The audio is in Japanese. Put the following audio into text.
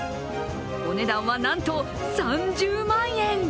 お値段はなんと３０万円。